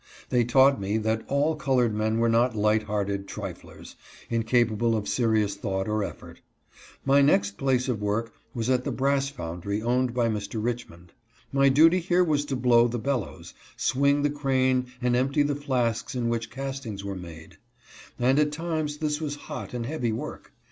They taught me that all colored men were not light hearted triflers, incapable of serious thought or effort. My next place of work was at the brass foundry owned by Mr. Richmond. My duty here was to blow the bellows, swing the crane and empty the flasks in which castings were made ; and at times this was hot and heavy work.